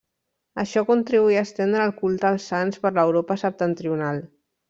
Això contribuí a estendre el culte als sants per l'Europa septentrional.